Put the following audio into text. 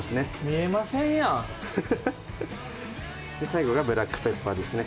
最後がブラックペッパーですね。